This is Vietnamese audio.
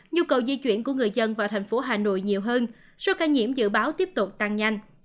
nhu cầu di chuyển của người dân vào thành phố hà nội nhiều hơn số ca nhiễm dự báo tiếp tục tăng nhanh